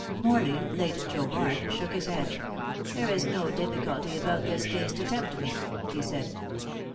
Morley, late Joe Bart, shook his head. "There is no difficulty about this case to tempt me," he said.